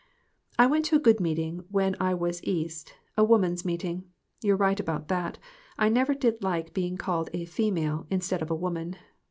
I went to a good meeting when I was East a woman's meeting. (You're right about that ; I never did like being called a "female," instead of a "woman.")